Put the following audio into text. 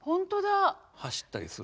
走ったりするとね。